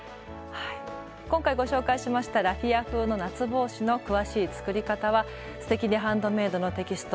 今回ご紹介しましたラフィア風の夏帽子の詳しい作り方は「すてきにハンドメイド」のテキスト